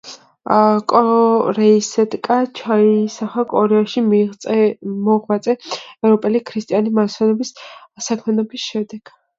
კორეისტიკა ჩაისახა კორეაში მოღვაწე ევროპელი ქრისტიანი მისიონერების საქმიანობის შედეგად.